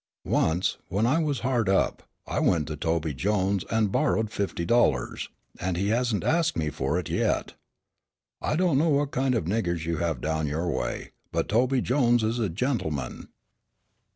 Once, when I was hard up, I went to Tobe Jones and borrowed fifty dollars; and he hasn't asked me for it yet. I don't know what kind of 'niggers' you have down your way, but Tobe Jones is a gentleman."